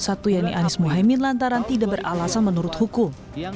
satu yaitu anies mohaimin lantaran tidak beralasan menurut hukum